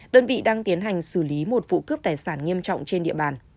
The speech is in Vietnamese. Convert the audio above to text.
đơn vị đang tiến hành xử lý một vụ cướp tài sản nghiêm trọng trên địa bàn